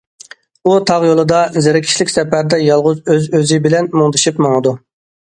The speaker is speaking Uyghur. ئۇ تاغ يولىدا، زېرىكىشلىك سەپەردە يالغۇز ئۆز- ئۆزى بىلەن مۇڭدىشىپ ماڭىدۇ.